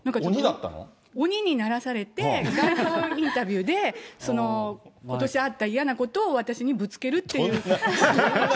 鬼にならされて、街頭インタビューで、ことしあった嫌なことを私にぶつけるっていう。